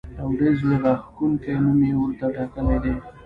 او ډېر زړه راښکونکی نوم یې ورته ټاکلی دی.